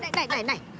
này này này này